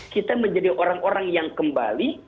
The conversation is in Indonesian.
kita menjadi orang orang yang kembali